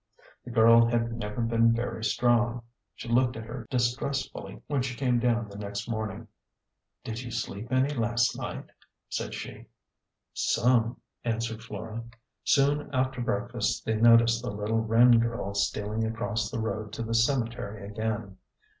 The girl had never been very strong. She looked at her distressfully when she came down the next morning. " Did you sleep any last night ?" said she. " Some," answered Flora. Soon after breakfast they noticed the little Wren girl stealing across the road to the cemetery again.